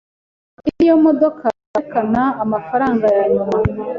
Iyi niyo modoka yerekana amafaranga yanyuma?